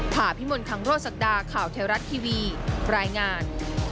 ผ่าพิมลคังโรศักดาข่าวเทวรัฐทีวีรายงาน